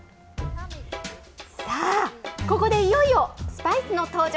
さあ、ここでいよいよスパイスの登場。